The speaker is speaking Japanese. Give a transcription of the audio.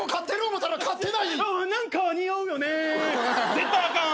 絶対あかん。